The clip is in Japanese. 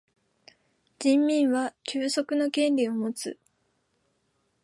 人民は休息の権利をもつ。